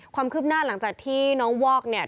ความคืบหน้าหลังจากที่น้องวอกเนี่ย